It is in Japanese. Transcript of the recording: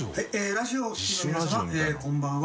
ラジオをお聴きの皆さんこんばんは。